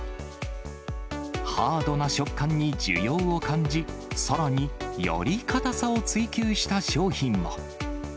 ハードな食感に需要を感じ、さらによりかたさを追求した商品も。